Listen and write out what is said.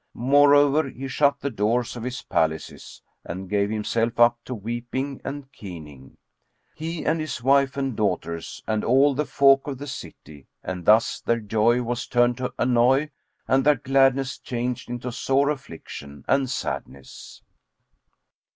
Moreover, he shut the doors of his palaces and gave himself up to weeping and keening, he and his wife and daughters and all the folk of the city; and thus their joy was turned to annoy and their gladness changed into sore affliction and sadness.